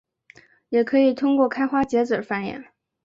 也可以通过开花结籽繁衍。